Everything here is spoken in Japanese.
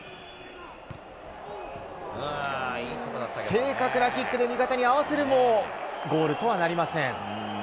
正確なキックで味方に合わせるもゴールとはなりません。